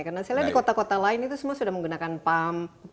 karena saya lihat di kota kota lain itu semua sudah menggunakan pump